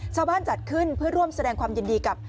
จัดขึ้นเพื่อร่วมแสดงความยินดีกับ